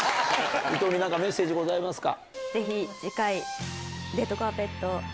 いとうに何かメッセージございますか？